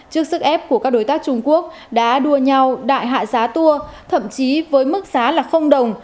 trước sức ép của các đối tác trung quốc đã đua nhau đại hạ giá tour thậm chí với mức giá là đồng